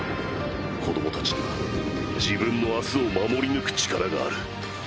子どもたちには自分の明日を守り抜く力がある。